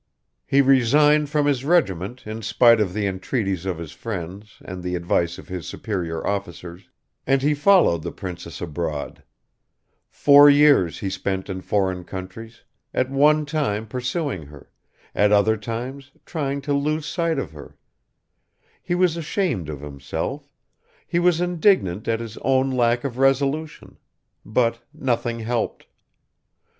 He resigned from his regiment in spite of the entreaties of his friends and the advice of his superior officers, and he followed the princess abroad; four years he spent in foreign countries, at one time pursuing her, at other times trying to lose sight of her; he was ashamed of himself, he was indignant at his own lack of resolution but nothing helped.